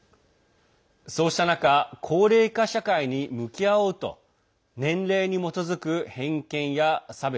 そうした中高齢化社会に向き合おうと年齢に基づく偏見や差別